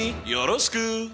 よろしく！